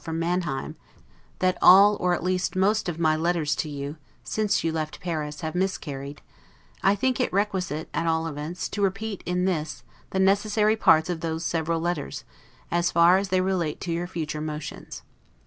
from Manheim, that all, or at least most of my letters to you, since you left Paris, have miscarried; I think it requisite, at all events, to repeat in this the necessary parts of those several letters, as far as they relate to your future motions.